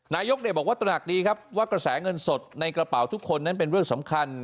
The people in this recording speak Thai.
นายกบอกว่าตระหนักดีครับว่ากระแสเงินสดในกระเป๋าทุกคนนั้นเป็นเรื่องสำคัญ